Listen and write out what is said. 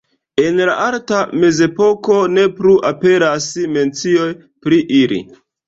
En la Alta Mezepoko ne plu aperas mencioj pri ili.